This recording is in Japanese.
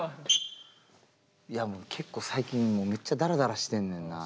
いやもう結構最近めっちゃダラダラしてんねんな。